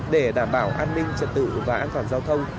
để đảm bảo an ninh trật tự và an toàn giao thông